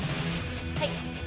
はい。